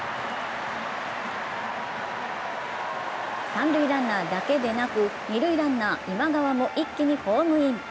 三塁ランナーだけでなく、二塁ランナー・今川も一気にホームイン。